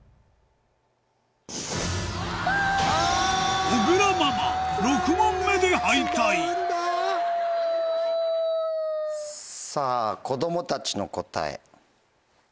あ！小倉ママ６問目で敗退さぁ子供たちの答え。